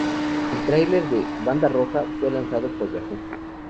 El tráiler de "banda roja" fue lanzado por Yahoo!